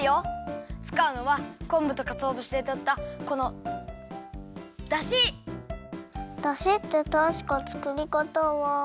つかうのはこんぶとかつおぶしでとったこのだし！だしってたしか作り方は。